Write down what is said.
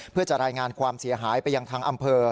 เพื่อจะรายงานความเสียหายไปยังทางอำเภอ